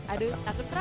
aduh takut kerap